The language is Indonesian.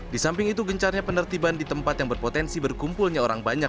di samping itu gencarnya penertiban di tempat yang berpotensi berkumpulnya orang banyak